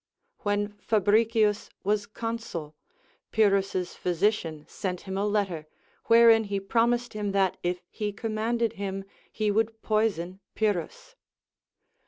When Fabricius was consul, Pyrrhus's physician sent hitn a letter, wherein he promised him that, if he commanded him, he would poison Pyrrhus.